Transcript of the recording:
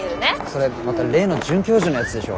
それまた例の准教授のやつでしょ？